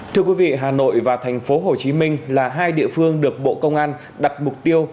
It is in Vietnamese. thưa quý vị hà nội và thành phố hồ chí minh là hai địa phương được bộ công an đặt mục tiêu